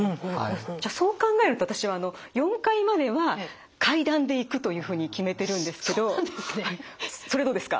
じゃあそう考えると私は４階までは階段で行くというふうに決めてるんですけどそれどうですか？